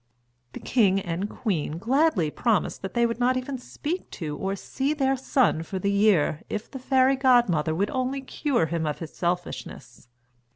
The king and queen gladly promised that they would not even speak to or see their son for the year if the fairy godmother would only cure him of his selfishness.